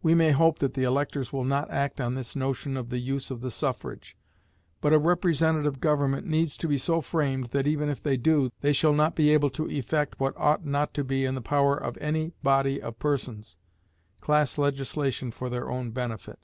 We may hope that the electors will not act on this notion of the use of the suffrage; but a representative government needs to be so framed that even if they do, they shall not be able to effect what ought not to be in the power of any body of persons class legislation for their own benefit.